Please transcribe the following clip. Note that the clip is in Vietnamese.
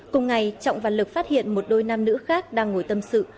cùng ngày trọng và lực phát hiện một đôi nam nữ khác đang ngồi tâm sự